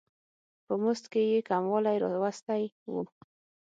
په مزد کې یې کموالی راوستی و.